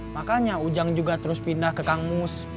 makanya ujang juga terus pindah ke kang mus